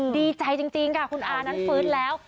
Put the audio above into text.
ดีใจจริงค่ะคุณอานั้นฟื้นแล้ว